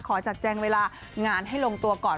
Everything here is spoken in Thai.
ขอจัดแจงเวลางานให้ลงตัวก่อน